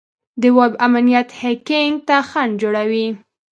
د ویب امنیت هیکینګ ته خنډ جوړوي.